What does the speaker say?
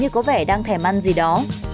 như có vẻ đang thèm ăn gì đó